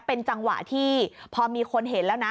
เป็นจังหวะที่พอมีคนเห็นแล้วนะ